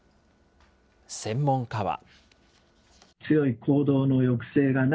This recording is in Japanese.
専門家は。